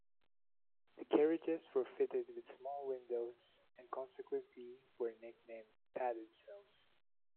The carriages were fitted with small windows and consequently were nicknamed "padded cells".